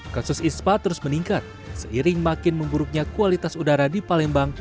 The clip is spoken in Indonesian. kasus ispa terus meningkat seiring makin memburuknya kualitas udara di palembang